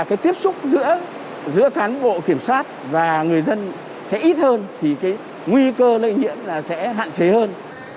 cái tiếp xúc giữa cán bộ kiểm soát và người dân sẽ ít hơn thì cái nguy cơ lây nhiễm là sẽ hạn chế hơn